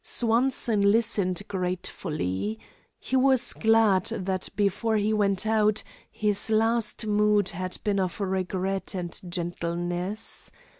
Swanson listened gratefully. He was glad that before he went out, his last mood had been of regret and gentleness.